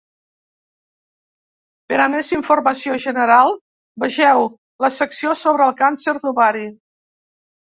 Per a més informació general, vegeu la secció sobre el càncer d'ovari.